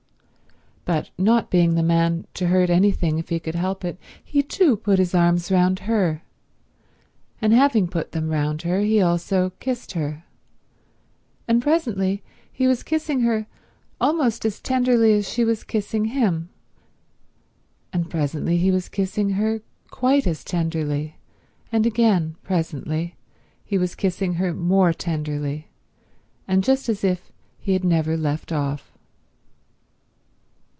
But not being the man to hurt anything if he could help it he too put his arms round her, and having put them round her he also kissed her; and presently he was kissing her almost as tenderly as she was kissing him; and presently he was kissing her quite as tenderly; and again presently he was kissing her more tenderly, and just as if he had never left off.